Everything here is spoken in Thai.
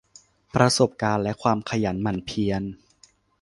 ประสบการณ์และความขยันหมั่นเพียร